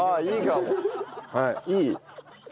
いいかも。